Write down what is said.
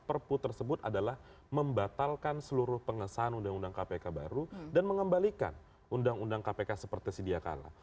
perpu tersebut adalah membatalkan seluruh pengesahan undang undang kpk baru dan mengembalikan undang undang kpk seperti sedia kala